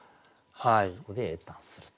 そこで詠嘆すると。